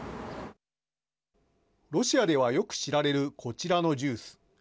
ロシアではよく知られるこちらのジュース。